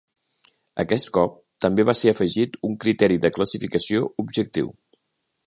Aquest cop també va ser afegit un criteri de classificació objectiu.